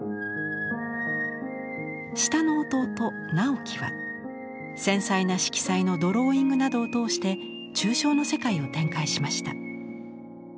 下の弟直木は繊細な色彩のドローイングなどを通して抽象の世界を展開しました。